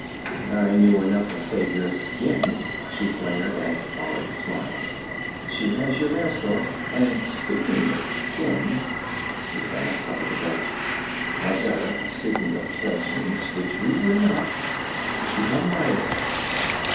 "I knew enough to save your skin!" she flared, and Balin smiled. "She has you there, Stark. And speaking of skins...." He glanced up at the belt. "Or better, speaking of talismans, which we were not. How did you come by it?"